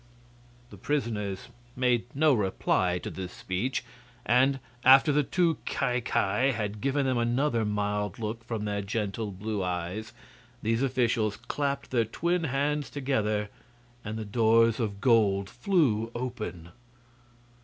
The prisoners made no reply to this speech, and, after the two Ki Ki had given them another mild look from their gentle blue eyes, these officials clapped their twin hands together and the doors of gold flew open.